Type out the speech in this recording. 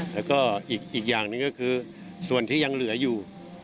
แล้วก็อีกอย่างหนึ่งก็คือส่วนที่ยังเหลืออยู่